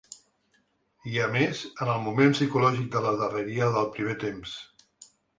I, a més, en el moment psicològic de la darreria del primer temps.